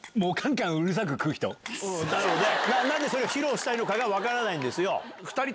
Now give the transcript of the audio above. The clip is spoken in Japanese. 何でそれを披露したいのかが分からないんですよ！